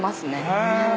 へぇ。